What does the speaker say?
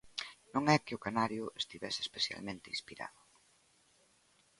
Non é que o canario estivese especialmente inspirado.